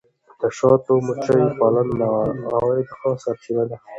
د شاتو مچیو پالنه د عاید ښه سرچینه ده.